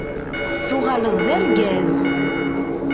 Tuɣaleḍ d argaz!